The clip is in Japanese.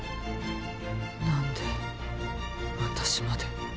何で私まで。